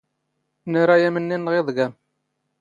ⵏⴰⵔⴰ ⴰⵎⵏⵏⵉ ⵏⵏⵖ ⵉⴹⴳⴰⵎ.